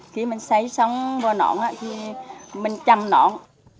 khi mình xáy xong vào nón mình chăm nón